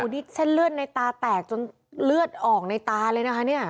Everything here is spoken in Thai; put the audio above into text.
นี่เส้นเลือดในตาแตกจนเลือดออกในตาเลยนะคะเนี่ย